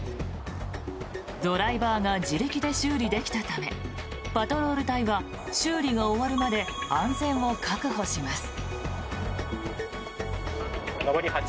ドライバーが自力で修理できたためパトロール隊は修理が終わるまで安全を確保します。